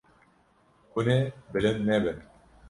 Hûn ê bilind nebin.